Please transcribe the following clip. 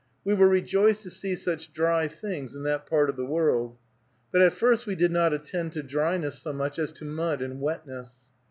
We were rejoiced to see such dry things in that part of the world. But at first we did not attend to dryness so much as to mud and wetness.